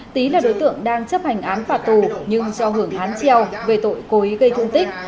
tý là đối tượng đang chấp hành án phạt tù nhưng cho hưởng hán treo về tội cố ý gây thương tích